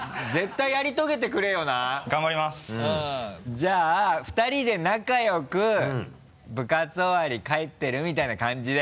じゃあ２人で仲良く部活終わり帰ってるみたいな感じで。